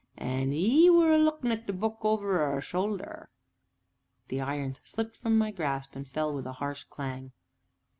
"And 'e were a lookin' at the book over 'er shoulder!" The irons slipped from my grasp, and fell with a harsh clang.